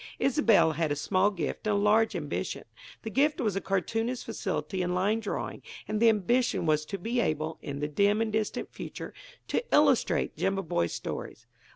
Isobel had a small gift and a large ambition: the gift was a cartoonist's facility in line drawing, and the ambition was to be able, in the dim and distant future, to illustrate Jimaboy's stories.